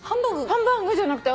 ハンバーグじゃなくて。